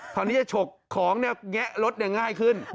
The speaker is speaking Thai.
คราวนี้จะฉกของแงะรถง่ายขึ้น